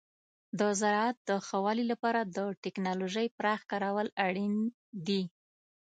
د زراعت د ښه والي لپاره د تکنالوژۍ پراخ کارول اړین دي.